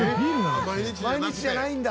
毎日じゃないんだ。